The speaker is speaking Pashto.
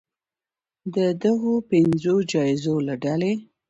د دغو پنځو جایزو له ډلې